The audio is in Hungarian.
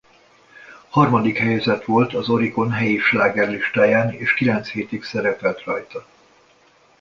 Harmadik helyezett volt az Oricon heti slágerlistáján és kilenc hétig szerepelt rajta.